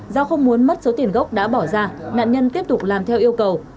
do không muốn mất số tiền gốc đã bỏ ra nạn nhân tiếp tục làm theo yêu cầu